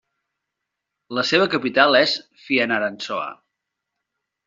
La seva capital és Fianarantsoa.